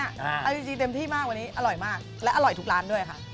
เอาจริงเต็มที่มากวันนี้อร่อยมากและอร่อยทุกร้านด้วยค่ะ